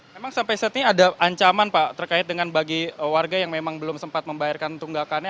memang sampai saat ini ada ancaman pak terkait dengan bagi warga yang memang belum sempat membayarkan tunggakannya